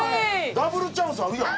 ダブルチャンスあるやん！